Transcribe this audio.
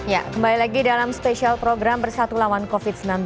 ya kembali lagi dalam spesial program bersatu lawan covid sembilan belas